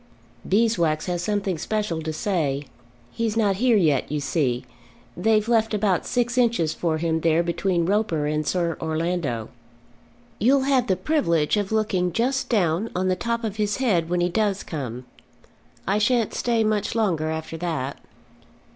"Beeswax has something special to say. He's not here yet, you see. They've left about six inches for him there between Roper and Sir Orlando. You'll have the privilege of looking just down on the top of his head when he does come. I shan't stay much longer after that."